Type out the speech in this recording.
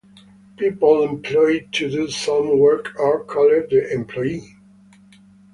People employed to do some work are called the employee.